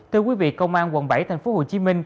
thưa quý vị công an quận bảy tp hcm